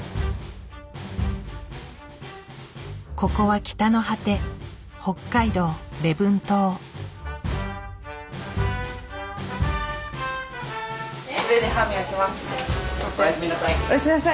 ここは北の果ておやすみなさい。